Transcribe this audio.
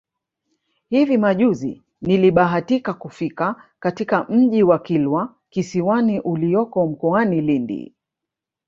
Hivi majuzi nilibahatika kufika katika Mji wa Kilwa Kisiwani ulioko mkoani Lindi